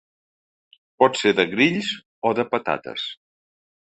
Pot ser de grills o de patates.